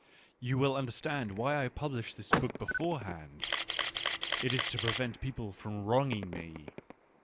You will understand why I publish this book beforehand — it is to prevent people from wronging me.